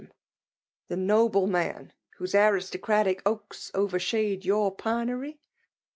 The nobleman whose aristocratic pal;^ Qverslmde yonr pinery